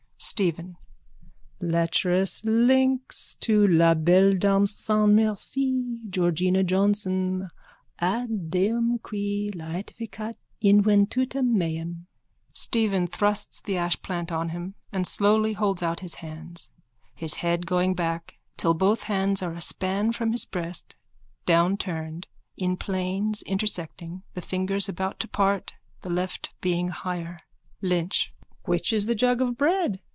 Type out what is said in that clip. STEPHEN: Lecherous lynx, to la belle dame sans merci, Georgina Johnson, ad deam qui laetificat iuventutem meam. _(Stephen thrusts the ashplant on him and slowly holds out his hands, his head going back till both hands are a span from his breast, down turned, in planes intersecting, the fingers about to part, the left being higher.)_ LYNCH: Which is the jug of bread?